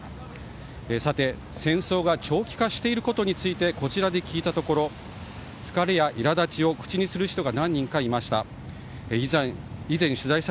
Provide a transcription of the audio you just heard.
さて、戦争が長期化していることについてこちらで聞いたところ疲れや苛立ちを口にする人が何人かいました。